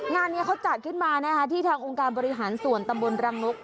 งานนี้เขาจัดขึ้นมานะคะที่ทางองค์การบริหารส่วนตำบลรังนก